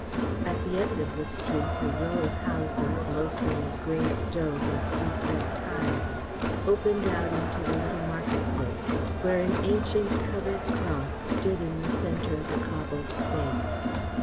At the end of the street, a row of houses, mostly of grey stone with deep red tiles, opened out into the little market place, where an ancient covered cross stood in the centre of a cobbled space.